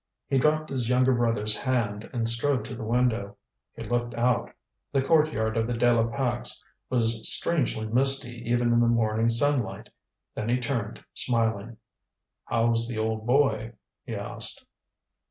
He dropped his younger brother's hand and strode to the window. He looked out. The courtyard of the De la Pax was strangely misty even in the morning sunlight. Then he turned, smiling. "How's the old boy?" he asked.